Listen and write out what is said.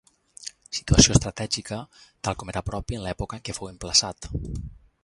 Situació estratègica, tal com era propi en l'època en què fou emplaçat.